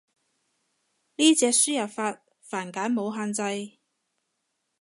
呢隻輸入法繁簡冇限制